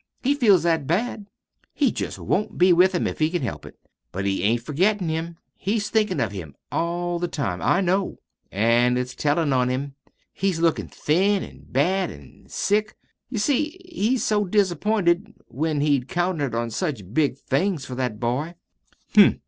He feels that bad. He just won't be with him if he can help it. But he ain't forgettin' him. He's thinkin' of him all the time. I KNOW. An' it's tellin' on him. He's lookin' thin an' bad an' sick. You see, he's so disappointed, when he'd counted on such big things for that boy!"